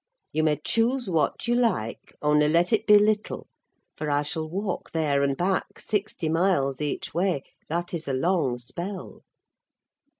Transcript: You may choose what you like: only let it be little, for I shall walk there and back: sixty miles each way, that is a long spell!"